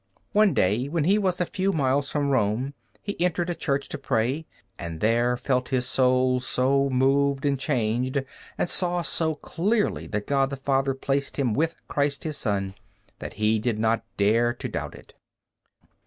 One day, when he was a few miles from Rome, he entered a church to pray, and there felt his soul so moved and changed, and saw so clearly that God the Father placed him with Christ His Son, that he did not dare to doubt it.